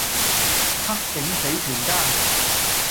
黑警死全家